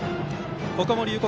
ここも龍谷